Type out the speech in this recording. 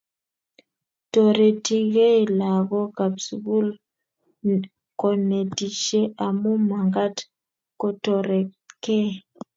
Toretigei lagookab sugul konetishie, amu magaat kotoretkei